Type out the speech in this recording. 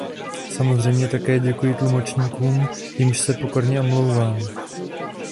Samozřejmě také děkuji tlumočníkům, jimž se pokorně omlouvám.